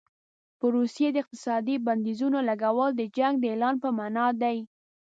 په روسیې د اقتصادي بندیزونو لګول د جنګ د اعلان په معنا دي.